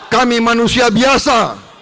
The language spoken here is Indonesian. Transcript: kami manusia biasa